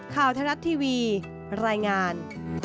ข่าวทะลัดทีวีรายงาน